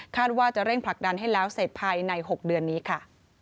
ว่าจะเร่งผลักดันให้แล้วเสร็จภายใน๖เดือนนี้ค่ะ